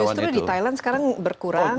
jadi justru di thailand sekarang berkurang